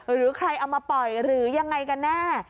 หรือใครเอามาปล่อยหรือยังไงกันแน่